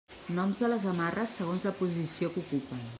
Noms de les amarres segons la posició que ocupen.